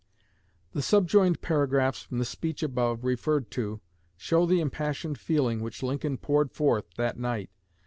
The subjoined paragraphs from the speech above referred to show the impassioned feeling which Lincoln poured forth that night.